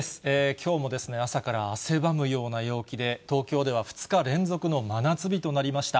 きょうも朝から汗ばむような陽気で、東京では２日連続の真夏日となりました。